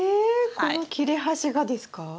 この切れ端がですか？